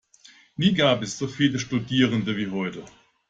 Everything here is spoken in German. Nie gab es so viele Studierende wie heute.